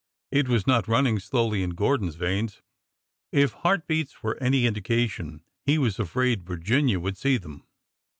It was not running slowly in Gordon's veins, if heart beats were any indication. He was afraid Virginia would see them.